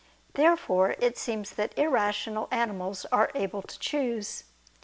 Therefore it seems that irrational animals are able to choose.